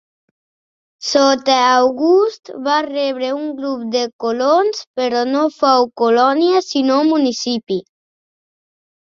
Sota August va rebre un grup de colons però no fou colònia sinó municipi.